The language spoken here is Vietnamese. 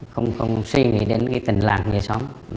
không suy nghĩ đến cái tình làng về xóm